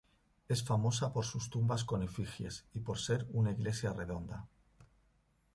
Es famosa por sus tumbas con efigies y por ser una iglesia redonda.